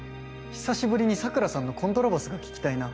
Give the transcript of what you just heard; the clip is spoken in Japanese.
久しぶりに桜さんのコントラバスが聴きたいな。